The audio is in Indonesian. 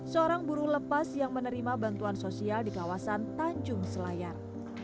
seorang buruh lepas yang menerima bantuan sosial di kawasan tanjung selayar